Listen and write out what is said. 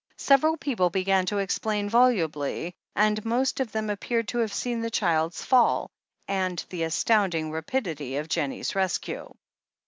Several people began to explain volubly, and most of them appeared to have seen the child's fall, and the astounding rapidity of Jennie's rescue.